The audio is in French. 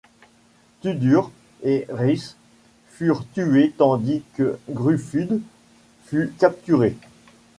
Tudur et Rhys furent tués tandis que Gruffudd fut capturé.